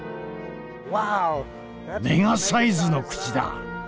「メガサイズの口だ！